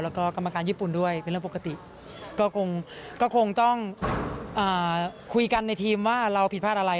แล้วก็กรรมการญี่ปุ่นด้วยเป็นเรื่องปกติก็คงก็คงต้องคุยกันในทีมว่าเราผิดพลาดอะไร